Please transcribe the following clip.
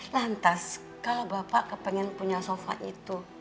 lantas kalau bapak kepengen punya sofa itu